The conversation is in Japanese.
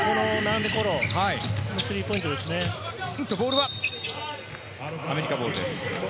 ボールはアメリカです。